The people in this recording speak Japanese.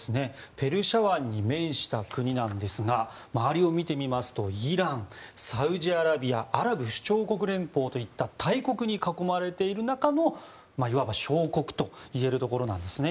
ペルシャ湾に面した国なんですが周りを見てみますとイラン、サウジアラビアアラブ首長国連邦といった大国に囲まれている中のいわば小国といえるところなんです。